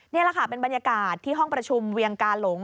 นี่แหละค่ะเป็นบรรยากาศที่ห้องประชุมเวียงกาหลง